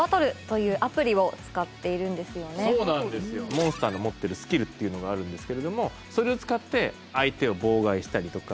モンスターの持ってるスキルっていうのがあるんですけれどもそれを使って相手を妨害したりとか。